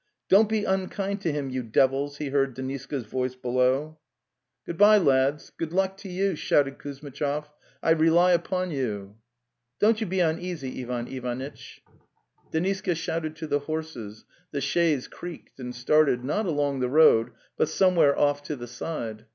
Don't be unkind to him, you devils!' he heard Deniska's voice below. DA The Tales of Chekhov '' Good bye, lads; good luck to you," shouted Kuz mitchov. "I rely upon you! "' 'Don't you be uneasy, Ivan Ivanitch! "' Deniska shouted to the horses, the chaise creaked and started, not along the road, but somewhere off to the side.